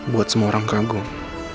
buat semua orang kagum